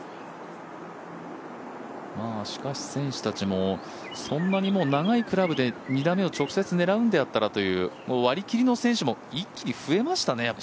しかし、選手たちもそんなに長いクラブで２打目を直接、狙うんだったらと割り切りの選手も一気に増えましたね。